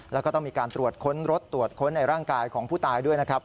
แล้วก็ต้องมีการตรวจค้นรถตรวจค้นในร่างกายของผู้ตายด้วยนะครับ